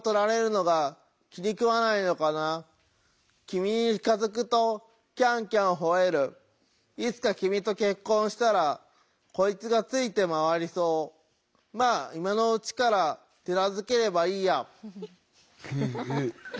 君に近づくとキャンキャンほえるいつか君とけっこんしたらこいつがついてまわりそうまあ今のうちから手なずければいいや」。